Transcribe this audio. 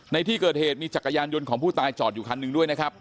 ในที่เกิดเหตุมีจักรยานยนต์ของผู้ตายจอดอยู่คันหนึ่งด้วยนะครับ